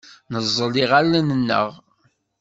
Neẓẓel iɣallen-nneɣ.